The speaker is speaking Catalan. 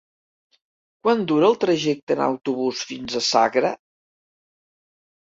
Quant dura el trajecte en autobús fins a Sagra?